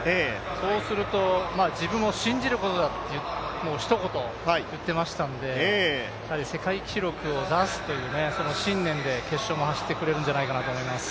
そうすると、自分を信じることだとひと言、言ってましたのでやはり世界記録を出すという信念で決勝も走ってくれるのかなと思います。